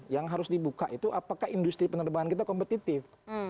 yang harus dibuka itu apakah industri penerbangan kita kompetitif